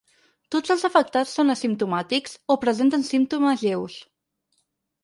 Tots els afectats són asimptomàtics o presenten símptomes lleus.